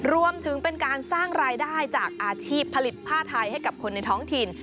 รวมถึงเป็นการสร้างรายได้จากอาชีพผลิตผ้าไทยให้กับคนในท้องถิ่น